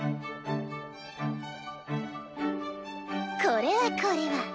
これはこれは。